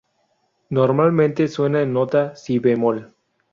Normalmente suena en nota si bemol.